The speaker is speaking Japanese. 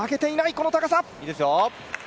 この高さ。